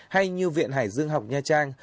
hay như viện hải dương học nha trang